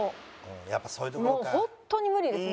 もう本当に無理ですね。